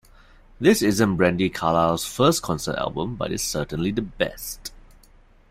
This isn't Brandi Carlile's first concert album, but it's certainly the best.